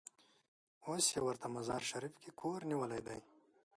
اوس یې ورته مزار شریف کې کور نیولی دی.